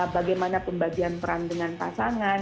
bagaimana pembagian peran dengan pasangan